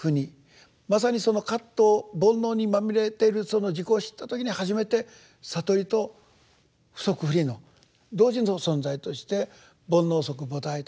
まさにその葛藤煩悩にまみれてるその自己を知った時に初めて悟りと不即不離の同時の存在として「煩悩即菩提」とかですね